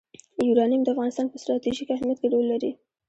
یورانیم د افغانستان په ستراتیژیک اهمیت کې رول لري.